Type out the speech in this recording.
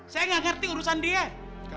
saya nggak ngerti urusan dia